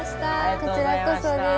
こちらこそです。